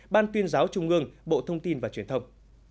ban tuyên giáo trung ương bộ thông tin và truyền thông